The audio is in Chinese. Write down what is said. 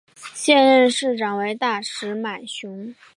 现任市长为大石满雄。